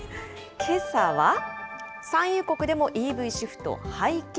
けさは、産油国でもＥＶシフト。